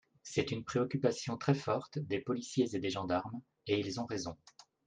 C’est une préoccupation très forte des policiers et des gendarmes, et ils ont raison.